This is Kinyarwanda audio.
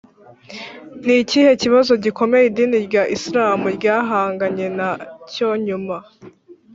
ni ikihe kibazo gikomeye idini rya isilamu ryahanganye na cyo nyuma